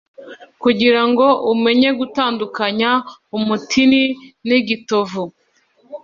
kugira ngo umenye gutandukanya umutini n igitovu